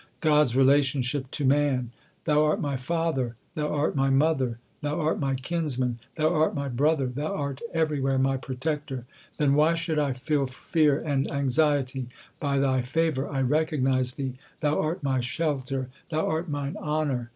God s relationship to man : Thou art my father, Thou art my mother, Thou art my kinsman, Thou art my brother ; Thou art everywhere my protector ; then why should I feel fear and anxiety ? By Thy favour I recognize Thee ; Thou art my shelter, Thou art mine honour.